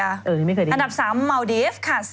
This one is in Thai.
อันดับ๓มาวดีฟค่ะ